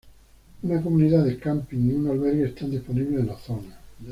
Una comunidad de camping y un albergue están disponibles en la zona.